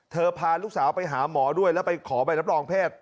พาลูกสาวไปหาหมอด้วยแล้วไปขอใบรับรองแพทย์